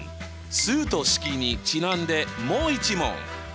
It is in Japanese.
「数と式」にちなんでもう一問！